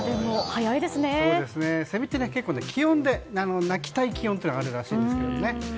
セミって結構鳴きたい気温というのがあるらしいんですけどね。